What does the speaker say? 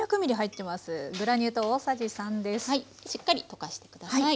しっかり溶かして下さい。